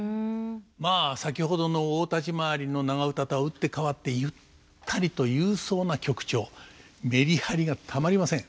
まあ先ほどの大立ち回りの長唄とは打って変わってメリハリがたまりません。